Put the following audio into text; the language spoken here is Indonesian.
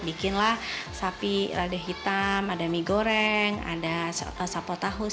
bikinlah sapi lade hitam ada mie goreng ada sapo tahu